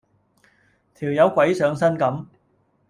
條友鬼上身咁